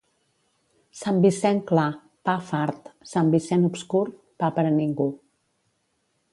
Sant Vicent clar, pa fart; Sant Vicent obscur, pa per a ningú.